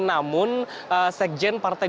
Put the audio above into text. namun sekjen partai